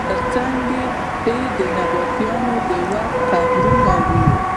تر څنګ یې د نبطیانو د وخت قبرونه وو.